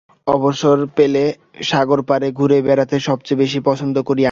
অবসর পেলে সাগর পাড়ে ঘুরে বেড়াতে সবচেয়ে বেশি পছন্দ করি আমি।